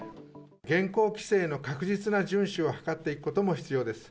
現行規制の確実な順守を図っていくことも必要です。